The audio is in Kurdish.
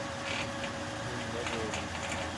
Hûn neborîn.